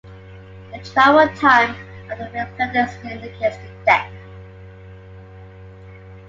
The travel time of the reflected signal indicates the depth.